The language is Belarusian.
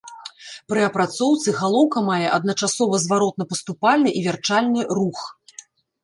Пры апрацоўцы галоўка мае адначасова зваротна-паступальны і вярчальны рух.